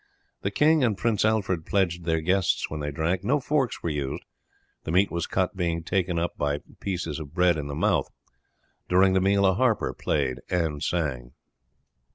The king and Prince Alfred pledged their guests when they drank. No forks were used, the meat as cut being taken up by pieces of bread to the mouth. During the meal a harper played and sung.